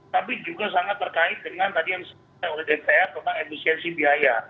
tapi juga sangat terkait dengan tadi yang disampaikan oleh dpr tentang efisiensi biaya